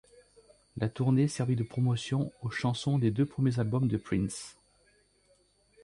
La tournée servit de promotion aux chansons des deux premiers albums de Prince.